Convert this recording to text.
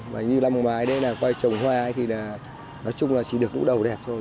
và như là mùa mai đấy là quay trồng hoa ấy thì là nói chung là chỉ được nụ đầu đẹp thôi